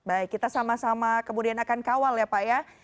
baik kita sama sama kemudian akan kawal ya pak ya